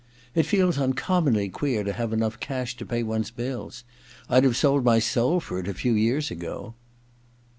'It feels uncommonly queer to have enough cash to pay one's bills. Fd have sold my soul for it a few years ago